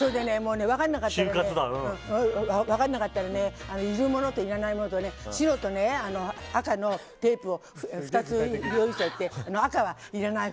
それでね分からなかったらねいるものといらないものと白と赤のテープを２つ用意しておいて赤はいらない